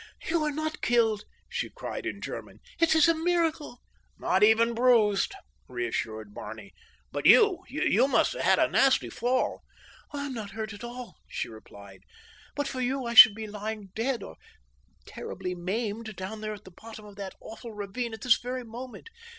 "You are not killed?" she cried in German. "It is a miracle!" "Not even bruised," reassured Barney. "But you? You must have had a nasty fall." "I am not hurt at all," she replied. "But for you I should be lying dead, or terribly maimed down there at the bottom of that awful ravine at this very moment.